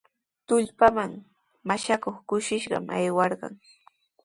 Tullpanman mashakuq kushishqa aywarqan.